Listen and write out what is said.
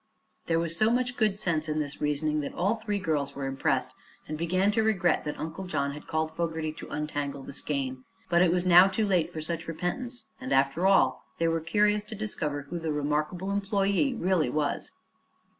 There was so much good sense in this reasoning that all three girls were impressed and began to regret that Uncle John had called Fogerty to untangle the skein. But it was now too late for such repentance and, after all, they were curious to discover who their remarkable employee really was.